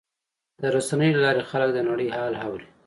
د رسنیو له لارې خلک د نړۍ حال اوري.